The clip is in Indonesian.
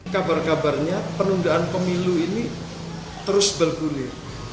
kabar kabarnya penundaan pemilu ini terus bergulir